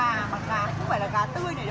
mặt gà không phải là gà tươi này đâu